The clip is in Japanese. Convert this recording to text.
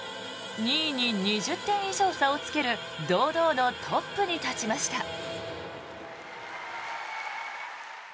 ２位に２０点以上差をつける堂々のトップに立ちました。